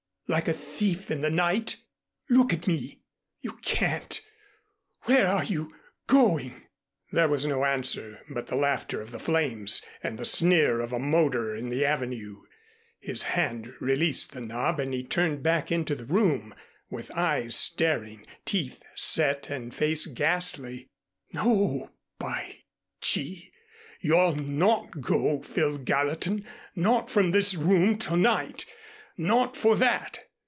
Like a thief in the night? Look at me! You can't! Where are you going?" There was no answer but the laughter of the flames and the sneer of a motor in the Avenue. His hand released the knob and he turned back into the room, with eyes staring, teeth set and face ghastly. "No, by G . You'll not go, Phil Gallatin, not from this room to night not for that.